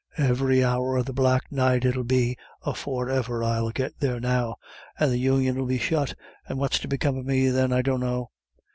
Every hour of the black night it'ill be afore ever I'll get there now, and the Union'ill be shut, and what's to become of me then I dunno.